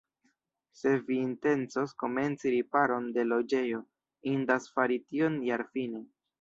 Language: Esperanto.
Se vi intencos komenci riparon de loĝejo, indas fari tion jarfine.